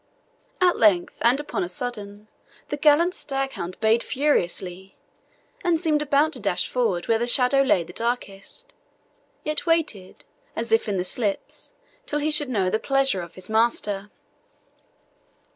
At length, and upon a sudden, the gallant staghound bayed furiously, and seemed about to dash forward where the shadow lay the darkest, yet waited, as if in the slips, till he should know the pleasure of his master.